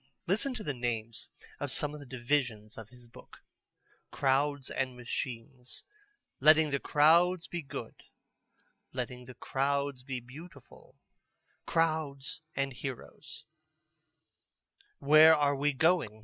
Listen to the names of some of the divisions of his book: "Crowds and Machines; Letting the Crowds be Good; Letting the Crowds be Beautiful; Crowds and Heroes; Where are we Going?